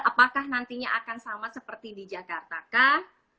apakah nantinya akan sama seperti di jakarta kah